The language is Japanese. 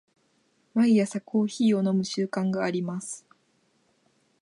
毎朝コーヒーを飲む習慣があります。